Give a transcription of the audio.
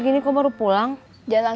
tidak ada masalah besar besaran sekarang